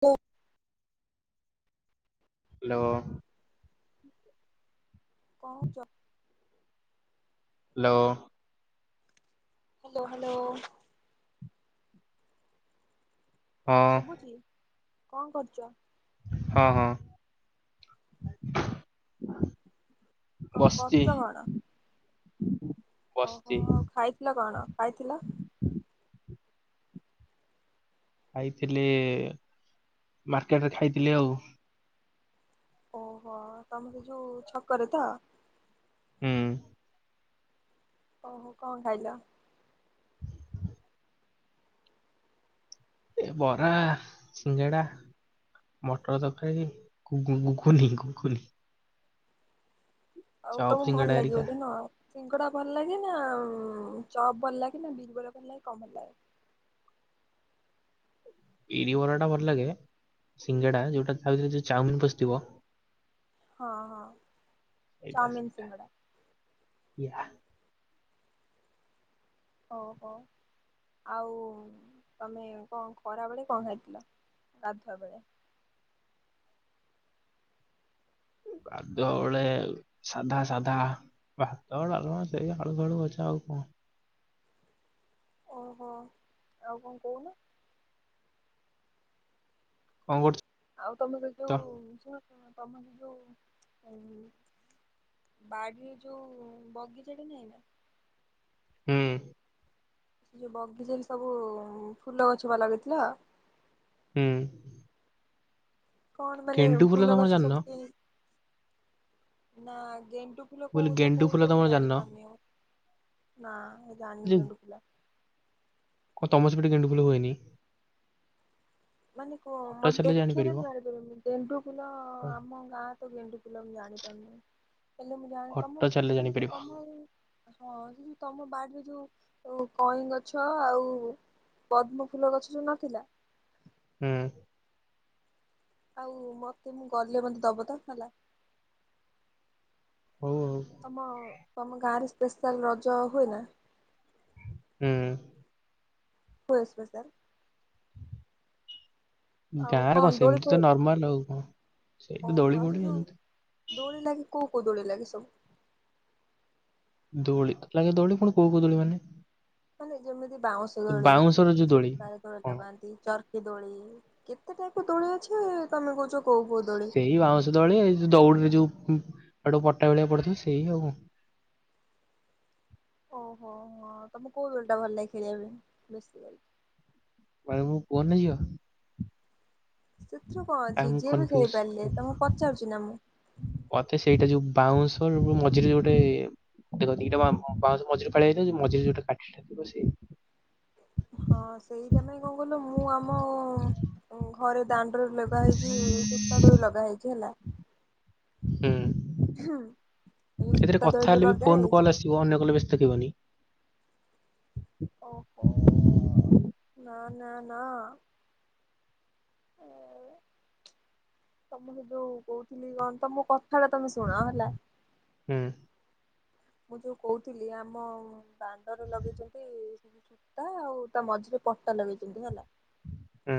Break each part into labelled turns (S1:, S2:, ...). S1: ଓ
S2: hello.
S1: କଣ କରୁଚ?
S2: Hello.
S1: Hello hello.
S2: ହଁ
S1: ଶୁଭୁଛି କଣ କରୁଚ?
S2: ହଁ ହଁ।
S1: କଣ କରୁଚ କଣ?
S2: ହୁଁ [unintelligible]
S1: ଓହୋ ଆଉ ଖାଇଥିଲ କଣ ଖାଇଥିଲ?
S2: ଖାଇଥିଲି ମାର୍କେଟରେ ଖାଇଥିଲି ଆଉ।
S1: ଓହୋ ତମେ ସେ ଯୋଉ ଛକରେ ତ?
S2: ହୁଁ।
S1: ଓହୋ କଣ ଖାଇଲ?
S2: ଏ ବରା ସିଙ୍ଗେଡ଼ା। ମଟର ତରକାରୀ ଘୁଗୁ ଘୁଗୁନି ଘୁଗୁନି।
S1: ଆଉ
S2: ଚପ୍
S1: ତମକୁ
S2: ସିଙ୍ଗଡ଼ା
S1: ଭଲ ଲାଗେ
S2: ହେରିକା
S1: ବୋଧେ ନୁହ। ସିଙ୍ଗଡା ଭଲ ଲାଗେ ନା ଉଁ ଚପ ଭଲ ଲାଗେ ନା ବିରି ବରା ଭଲ ଲାଗେ କଣ ଭଲ ଲାଗେ?
S2: ବିରି ବରାଟା ଭଲ ଲାଗେ ସିଙ୍ଗେଡା ଯୋଉଟା ଖାଉଥିଲି ଯଉ ଚାଉମିନ ପସିଥିବ।
S1: ହଁ ହଁ।
S2: ଏଇଟା
S1: ଚାଉମିନ
S2: ସେଇଟା
S1: ସିଙ୍ଗଡା
S2: ୟା।
S1: ଓହୋ। ଆଉ ଉଁ ତମେ କଣ ଖରାବେଳେ କଣ ଖାଇଥିଲ ଗାଧୁଆ ବେଳେ?
S2: ଗାଧୁଆ ବଳେ ସାଧା ସାଧା। ଭାତ ଡାଲମା ସେଇ ଆଳୁ ଫାଳୁ ଭଜା ଆଉ କଣ।
S1: ଓହୋ ଆଉ କଣ କହୁନ?
S2: କଣ କରୁ
S1: ଆଉ ତମର ଯୋଉ ଶୁଣ ତ-ତମର ଯୋଉ ଉଁ। ବାଡିରେ ଯୋଉ ବଗିଚା ଟା ନାହିଁ ନା।
S2: ହୁଁ।
S1: ସେ ଯୋଉ ବଗିଜା ରେ ସବୁ ଫୁଲ ଗଛ ବା ଲାଗିଥିଲା।
S2: ହୁଁ।
S1: କଣ ମାନେ
S2: ଗେଣ୍ଡୁ
S1: ଫୁଲ
S2: ତମର
S1: ଗଛ
S2: ଜାଣିନ
S1: ସବୁ କି ନା ଗେଣ୍ଡୁ ଫୁଲ
S2: ମୁଁ
S1: କୋଉ
S2: କହିଲି
S1: କଥା
S2: ଗେଣ୍ଡୁ ଫୁଲ
S1: କହୁଛ ମୁଁ
S2: ତମର ଜାଣିନ?
S1: ଜାଣିପାରୁନି ଆଉ ନା ଜାଣିନି ଗେଣ୍ଡୁ ଫୁଲ।
S2: କ ତମ ସେପଟେ ଗେଣ୍ଡୁ ଫୁଲ ହୁଏନି?
S1: ମାନେ କ
S2: ଫଟୋ
S1: ମତେ
S2: ଛାଡ଼ିଲେ
S1: ଦେଖେଇଲେ
S2: ଜାଣିପାରିବ।
S1: ମୁଁ ଜାଣିପାରିମି। ଗେଣ୍ଡୁ ଫୁଲ
S2: ହଁ,
S1: ଆମ ଗାଁ ତ ଗେଣ୍ଡୁ ଫୁଲ ମୁଁ ଜାଣିପାରୁନି। ହେଲେ ମୁଁ ଜାଣେ ତମ
S2: ଫଟୋ ଛାଡ଼ିଲେ
S1: ହୁଁ ହୁଁ
S2: ଜାଣିପାରିବ।
S1: ତମ ଏ ହଁ ସେ ଯୋଉ ତମ ବାଡ଼ି ରେ ଯୋଉ। ଆଉ କଇଁ ଗଛ ଆଉ ପଦ୍ମଫୁଲ ଗଛ ଯଉ ନଥିଲା।
S2: ହୁଁ।
S1: ଆଉ ମତେ ମୁଁ ଗଲେ ମତେ ଦବ ତ ହେଲା।
S2: ହଉ ହଉ।
S1: ତମ ତମ ଗାଁରେ ସ୍ପେଶାଲ ରଜ ହୁଏ ନା?
S2: ହୁଁ।
S1: କ ଆସିବ ସାର୍। ଆଉ
S2: ଗାଁରେ କଣ
S1: ଦୋଳି
S2: ସେମିତି ତ
S1: ଫୋଳି
S2: ନର୍ମାଲ ହଉ କଣ ସେଇ ତ ଦୋଳି ପୋଡି ଏମିତି
S1: ଦୌଳି ଲାଗେ କଉ ଦୌଡ଼ ଲାଗେ ସବୁ?
S2: ଦଉଳି ଲାଗେ ଦୋଳି ପୁଣି କୋଉ କଉ ଦଳି ମାନେ?
S1: ମାନେ ଯେମିତି ବାଉଁଶ ଦଳି
S2: ବାଉଁଶର ଯୋଉ ଦୋଳି।
S1: କାର
S2: ହଁ
S1: ଦୋଳି ନ୍ତି ଚର୍କି ଦୋଳି କେତେ ଟାଇପ ଦୋଳି ଅଛି ତମେ କହୁଛ କୋଉ କୋଉ ଦୋଳି
S2: ସେଇ ବାଉଁଶ ଦଳି ଏଇ ଯୋଉ ଦଉଡିରେ ଯୋଉ ପଟା ଭଳିଆ ପଡିଥିବ ସେଇ ଆଉ।
S1: ଓହୋ ହୋ ତମକୁ କୋଉ ବଲଟା ଭଲ ଲାଗେ ଖେଳିବା ପାଇଁ ବ
S2: ମାନେ ମୁଁ ପୁଅ ନା ଝିଅ?
S1: ସେଥିରୁ କଣ
S2: ଆଇ
S1: ଅଛି
S2: ଆମ୍
S1: ଯିଏ ବି ଖଳି
S2: କନଫ୍ୟୁଜ।
S1: ପାରିଲେ ତ ମୁଁ ପଚାରୁଛି ନା ମୁଁ?
S2: ମତେ ସେଇଟା ଯୋଉ ବାଉଁଶଵର ମଝିରେ ଗୋଟେ କ ଏଟା ବାଉଶ ମିରେ ଫଳଆଇଥାଉ ମିରେ ଯୋଉଟାଟି [inaudible]
S1: ହଁ ସେଇଟା ପାଇଁ କଣ କଲୁ ମୁଁ ଆମ ଘରେ ଦାଣ୍ଡରେ ଲଗା ହେଇଛି ସୂତା ଦୋଇ ଲଗା ହେଇଛି ହେଲା
S2: ହୁଁ
S1: ଏ ସୁୂତା ଦ୍ରଜ ଲଗାଇ ଯେ
S2: କି ଅନ୍ୟ କଲେ ବ୍ୟେଶସ୍ତ ଥିବନି।
S1: ଓହୋ ନା ନା ନା। ତ ମୁଁ ସେ ଯୋଉ କହୁଥିଲି କଣ ତମ କଥା ଟା ତମେ ଶୁଣ ହେଲା।
S2: ହୁଁ।
S1: ମୁଁ ଯୋଉ କହୁଥିଲି ଆମ ଦଣ୍ଡରେ ଲଗେଇଛନ୍ତି ସୂତା ଆଉ ତା ମଝିରେ ପଟା ଲଗେଇଛନ୍ତି ହେଲା।
S2: ହୁଁ।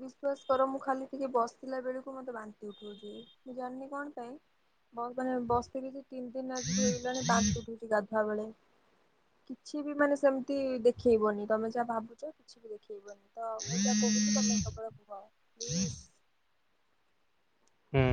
S1: ବିଶ୍ଵାସ କର ମୁଁ ଖାଲି ଟିକେ ବସିଲା ବେଳକୁ ମତେ ବାନ୍ତି ଉଠଉଛି ମୁଁ ଜାଣିନି କଣ ପାଇଁ। ବ ମାନେ ବସିଥିଲରିଛି ତିନି ଦତିିନ ନାଜକୁ ହେଇଗଲାଣି ବାଧ ଫୁଟୁଛି ଗାଧୁଆ ବେଳେ। କିଛି ବି ମାନେ ସେମିତି ଦେଖେଇବନି ତମେ ଯାହା ଭାବୁଛ କିଛି ବି ଦେଖେଇବନି। ତ ମୁଁ ଯାହା କହୁଛି ତୁମେ ଖବରକୁୁହଅ ପ୍ଲିଜ୍।
S2: ହୁଁ।